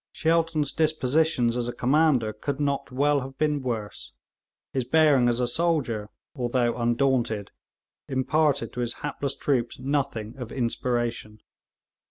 Shelton's dispositions as a commander could not well have been worse; his bearing as a soldier, although undaunted, imparted to his hapless troops nothing of inspiration.